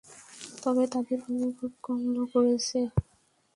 তবে তাদের পক্ষে খুব কম লোক রয়েছে।